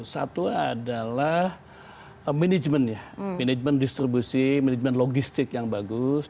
satu adalah manajemen ya manajemen distribusi manajemen logistik yang bagus